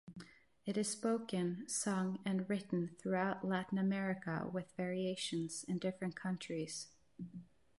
It is spoken, sung and written throughout Latin America with variations in different countries.